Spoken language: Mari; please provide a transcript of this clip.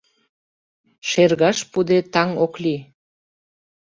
Шергаш пуыде, таҥ ок лий